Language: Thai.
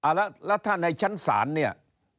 ครับแล้วถ้าในชั้นสารเนี่ย